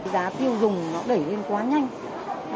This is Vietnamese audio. giá tiêu dùng nó đẩy lên quá nhanh